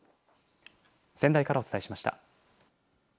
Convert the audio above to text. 仙台からお伝えしました。